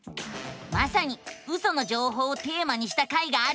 まさにウソの情報をテーマにした回があるのさ！